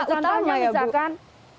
ya seperti itu contohnya misalkan